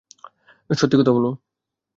সত্যি কথা বলবো।